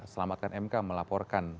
selamatkan mk melaporkan